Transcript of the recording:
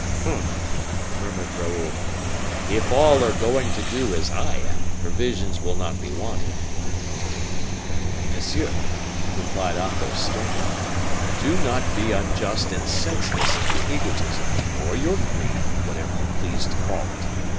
"Humph!" murmured Raoul; "if all are going to do as I am, provisions will not be wanted." "Monsieur," replied Athos, sternly, "do not be unjust and senseless in your egotism, or your grief, whichever you please to call it.